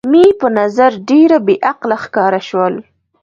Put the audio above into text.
مې په نظر ډېره بې عقله ښکاره شول.